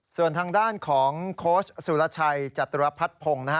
ส่วนทางด้านของโค้ชสุรชัยจตุรพัฒนพงศ์นะฮะ